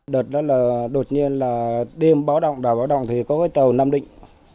đợt đó là đột nhiên là đêm báo động đảo báo động thì có cái tàu nam định